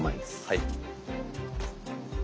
はい。